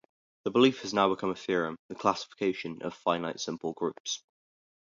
The belief has now become a theorem - the classification of finite simple groups.